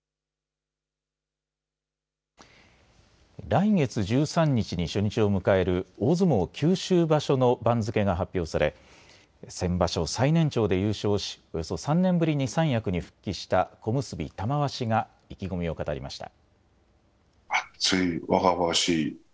来月１３日に初日を迎える大相撲九州場所の番付が発表され先場所、最年長で優勝しおよそ３年ぶりに三役に復帰した小結・玉鷲が意気込みを語りました。